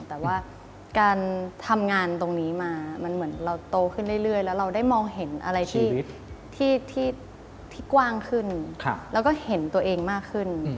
แต่ว่าการทำงานตรงนี้มามันเหมือนเราโตขึ้นเรื่อยแล้วเราได้มองเห็นอะไรที่กว้างขึ้น